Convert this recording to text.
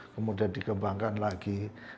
kemudian dikembangkan lagi